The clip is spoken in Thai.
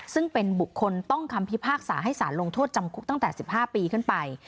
ซึ่งเป็นบุคคลต้องคำพิพากษาให้สารลงโทษจำคุกตั้งแต่๑๕ปีขึ้นไป